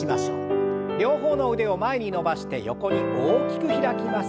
両方の腕を前に伸ばして横に大きく開きます。